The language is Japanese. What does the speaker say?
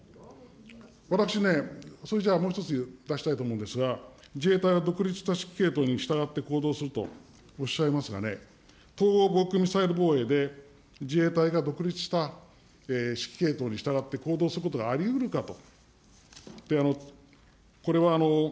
私ね、それじゃ、もう一つ言う、出したいと思うんですが、自衛隊は独立した指揮系統に従って行動するとおっしゃいますがね、統合防空ミサイル防衛で自衛隊が独立した指揮系統に従って行動することがありうるかと。